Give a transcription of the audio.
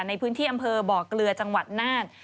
ในพื้นที่อำเภอบ่อเกลือจังหวัดน่าน